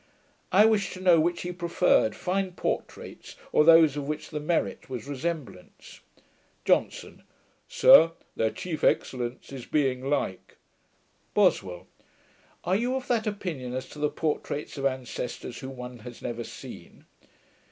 I wished to know which he preferred, fine portraits, or those of which the merit was resemblance. JOHNSON. 'Sir, their chief excellence is being like.' BOSWELL. 'Are you of that opinion as to the portraits of ancestors, whom one has never seen?'